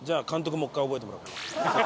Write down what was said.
もう一回覚えてもらおうか。